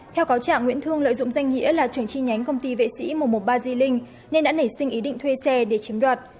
theo cáo trạng nguyễn thương lợi dụng danh nghĩa là trưởng chi nhánh công ty vệ sĩ một trăm một mươi ba di linh nên đã nảy sinh ý định thuê xe để chiếm đoạt